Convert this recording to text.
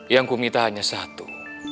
yang kuminta hanya satu